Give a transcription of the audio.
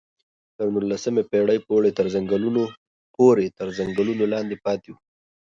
تر نولسمې پېړۍ پورې تر ځنګلونو لاندې پاتې وو.